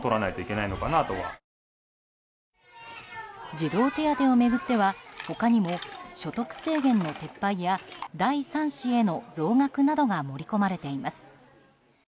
児童手当を巡っては、他にも所得制限の撤廃や第３子への増額などが盛り込まれています。